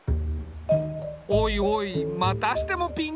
おいおいまたしてもピンチだな。